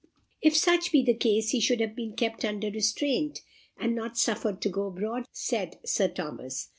"If such be the case, he should have been kept under restraint, and not suffered to go abroad," said Sir Thomas.